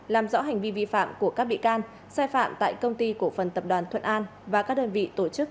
làm rõ hành vi vi phạm của các bị can sai phạm tại công ty cổ phần tập đoàn thuận an và các đơn vị tổ chức